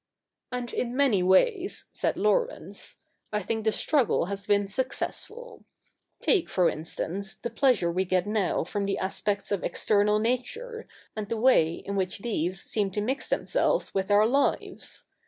' And in many ways,' said Laurence, ' I think the struggle has been successful. Take, for instance, the pleasure we get now from the aspects of external nature, and the way in which these seem to mix themselves with our lives.